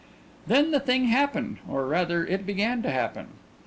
Then the thing happened, or rather it began to happen.